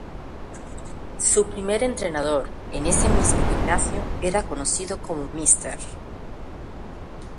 Su primer entrenador, en ese mismo gimnasio, era conocido como Mr.